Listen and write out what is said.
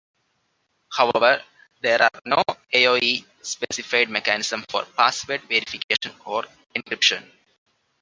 However, there are no AoE-specific mechanisms for password verification or encryption.